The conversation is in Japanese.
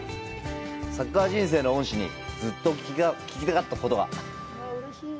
サッカー人生の恩師にずっと聞きたかったことが。